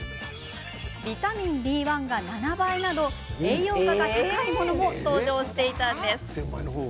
ビタミンＢ１が７倍など栄養価が高いものも登場していたんです。